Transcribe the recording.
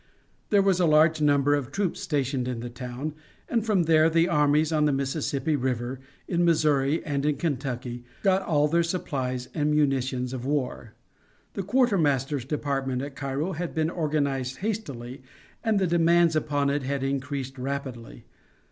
There was a large number of troops stationed in the town, and from there the armies on the Mississippi River, in Missouri, and in Kentucky, got all their supplies and munitions of war. The quartermaster's department at Cairo had been organized hastily, and the demands upon it had increased rapidly.